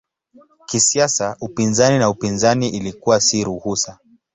Kisiasa upinzani na upinzani ilikuwa si ruhusa.